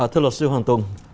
thưa luật sư hoàng tùng